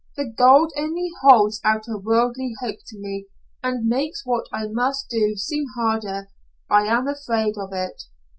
The gold only holds out a worldly hope to me, and makes what I must do seem harder. I am afraid of it."